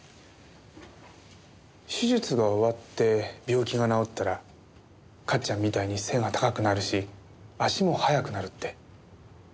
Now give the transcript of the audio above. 手術が終わって病気が治ったらかっちゃんみたいに背が高くなるし足も速くなるって。